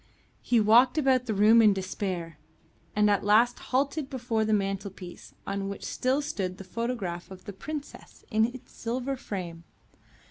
He walked about the room in despair, and at last halted before the mantelpiece on which still stood the photograph of the Princess in its silver frame.